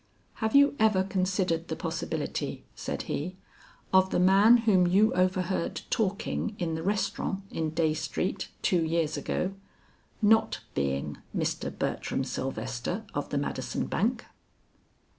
"Have you ever considered the possibility," said he, "of the man whom you overheard talking in the restaurant in Dey Street two years ago, not being Mr. Bertram Sylvester of the Madison Bank?"